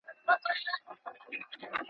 د خیرات په وخت کي د یتیم پزه ویني سي ..